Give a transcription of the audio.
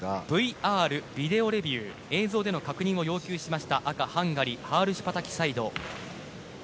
ＶＲ・ビデオレビュー映像での確認を要求しましたハールシュパタキサイド。